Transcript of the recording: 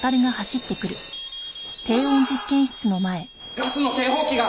ガスの警報器が！